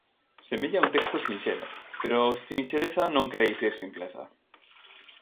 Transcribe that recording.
Semella un texto sinxelo, pero sinxeleza non quere dicir simpleza.